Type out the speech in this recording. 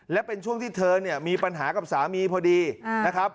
และเป็นช่วงที่เธอเนี่ยมีปัญหากับสามีพอดีนะครับ